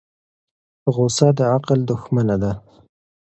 غصه د عقل دښمنه ده.